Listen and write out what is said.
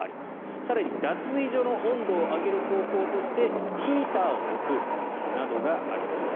更に脱衣所の温度を上げる方法としてヒーターを置くなどがあります。